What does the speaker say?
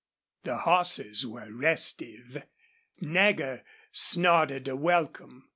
The horses were restive. Nagger snorted a welcome.